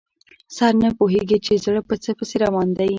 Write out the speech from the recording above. سر نه پوهېږي چې زړه په څه پسې روان دی.